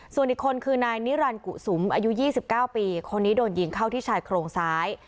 ส่วนอีกคนคือนายนิรันดิกุสุมอายุ๒๙ปีคนนี้โดนยิงเข้าที่ชายโครงซ้าย